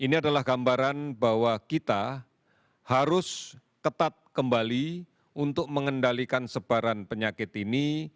ini adalah gambaran bahwa kita harus ketat kembali untuk mengendalikan sebaran penyakit ini